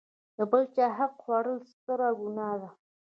د بل چاحق خوړل ستره ګناه ده.